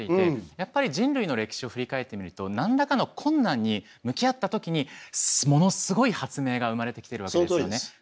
やっぱり人類の歴史を振り返ってみると何らかの困難に向き合ったときにものすごい発明が生まれてきてるわけですよね。